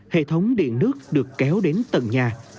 hệ thống điện nước được kéo đến tầng nhà